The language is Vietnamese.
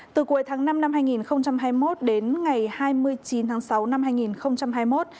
từ cuối tháng năm năm hai nghìn hai mươi một đến ngày hai mươi chín tháng sáu năm hai nghìn hai mươi một